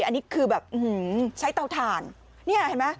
อันนี้คือแบบใช้เตาถ่านเนี่ยเห็นไหม